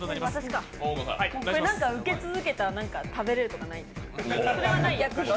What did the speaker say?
受け続けたら何か食べれるとかないんですか？